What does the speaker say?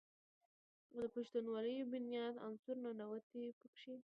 خو د پښتونولۍ بنيادي عنصر "ننواتې" پکښې